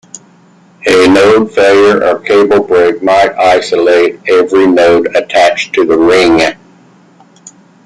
A node failure or cable break might isolate every node attached to the ring.